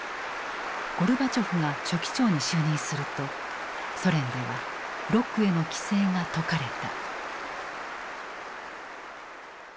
ゴルバチョフが書記長に就任するとソ連ではロックへの規制が解かれた。